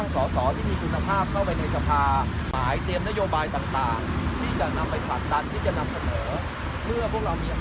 สวัสดีครับ